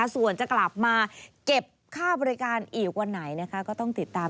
ส่วนจะกลับมาเก็บค่าบริการอีกวันไหนก็ต้องติดตาม